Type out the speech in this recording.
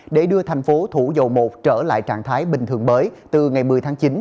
để đưa thành phố thủ dầu một trở lại trạng thái bình thường mới từ ngày một mươi tháng chín